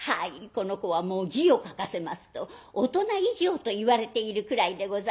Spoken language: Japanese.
この子はもう字を書かせますと大人以上といわれているくらいでございます。